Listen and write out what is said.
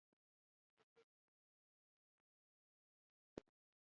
د فیصلې متن راوړه چې اصلاح شي.